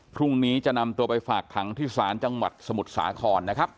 พรุ่งนี้จะนำตัวไปฝากขังที่ศาลจังหวัดสมุทรสาครนะครับ